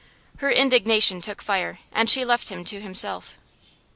Her indignation took fire, and she left him to himself.